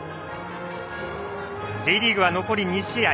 Ｊリーグは残り２試合。